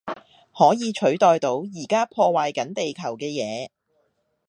可以取代到而家破壞緊地球嘅嘢